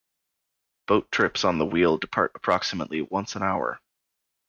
Boat trips on the wheel depart approximately once an hour.